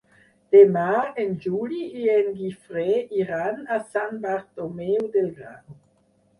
Demà en Juli i en Guifré iran a Sant Bartomeu del Grau.